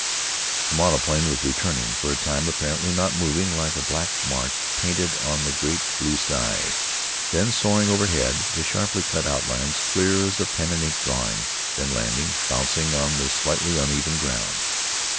The monoplane was returning, for a time apparently not moving, like a black mark painted on the great blue sky; then soaring overhead, the sharply cut outlines clear as a pen and ink drawing; then landing, bouncing on the slightly uneven ground.